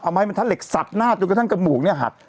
เอาไม้บรรทัดเหล็กสับหน้าจนกระทั่งกระมูกเนี่ยหัก